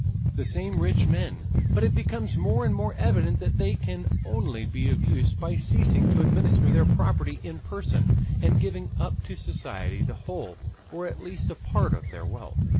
The same rich men, but it becomes more and more evident that they can only be of use by ceasing to administer their property in person and giving up to society the whole or at least a part of their wealth.